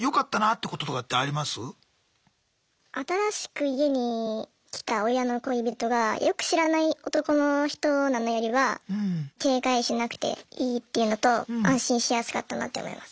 新しく家に来た親の恋人がよく知らない男の人なのよりは警戒しなくていいっていうのと安心しやすかったなって思います。